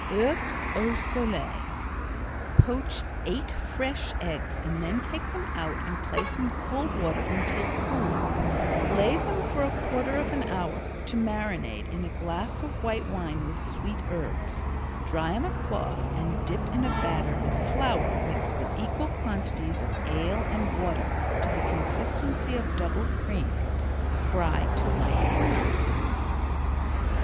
Oeuffs Au Soliel Poach eight fresh eggs then take them out and place in cold water until cool; lay them for a quarter of an hour to marinade in a glass of white wine with sweet herbs. Dry on a cloth and dip in a batter of flour mixed with equal quantities of ale and water to the consistency of double cream. Fry to light brown.